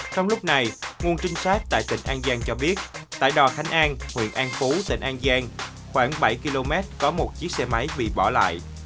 trong lúc này nguồn trinh sát tại tỉnh an giang cho biết tại đò khánh an huyện an phú tỉnh an giang khoảng bảy km có một chiếc xe máy bị bỏ lại